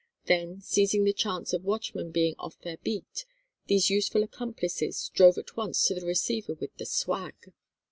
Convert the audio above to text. Then, seizing the chance of watchmen being off their beat, these useful accomplices drove at once to the receiver with the "swag."